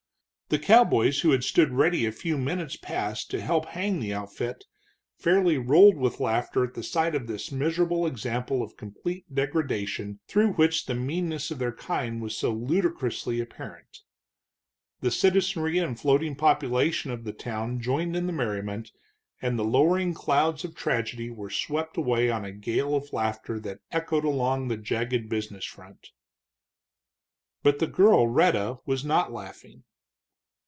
The cowboys who had stood ready a few minutes past to help hang the outfit, fairly rolled with laughter at the sight of this miserable example of complete degradation, through which the meanness of their kind was so ludicrously apparent. The citizenry and floating population of the town joined in the merriment, and the lowering clouds of tragedy were swept away on a gale of laughter that echoed along the jagged business front. But the girl Rhetta was not laughing.